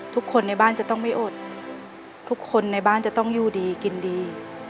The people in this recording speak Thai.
ทุกคนในบ้านจะต้องไม่อดทุกคนในบ้านจะต้องอยู่ดีกินดี